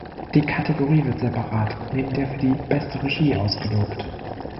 Die Kategorie wird separat neben der für die "Beste Regie" ausgelobt.